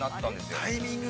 ◆タイミングが。